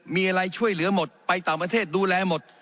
มีอะไรช่วยเหลือหมดไปต่างประเทศดูแลหมด